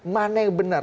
mana yang benar